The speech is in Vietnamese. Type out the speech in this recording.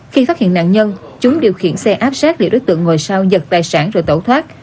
khi phát hiện nạn nhân chúng điều khiển xe áp sát thì đối tượng ngồi sau giật tài sản rồi tẩu thoát